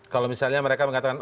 kalau misalnya mereka mengatakan